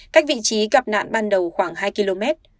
cách vị trí gặp nạn ban đầu khoảng hai km